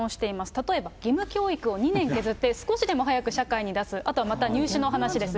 例えば義務教育を２年削って少しでも早く社会に出す、あとはまた入試の話です。